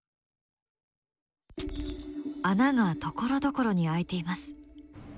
穴がところどころに開いています。